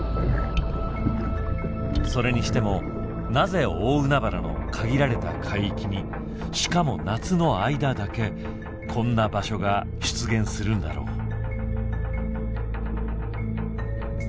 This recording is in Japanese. それにしてもなぜ大海原の限られた海域にしかも夏の間だけこんな場所が出現するんだろう？